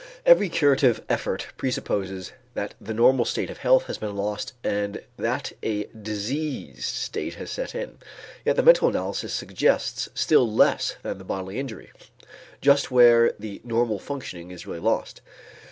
Every curative effort presupposes that the normal state of health has been lost and that a diseased state has set in. Yet the mental analysis suggests still less than the bodily inquiry, just where the normal functioning is really lost.